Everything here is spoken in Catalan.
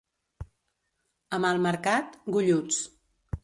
A Malmercat, golluts.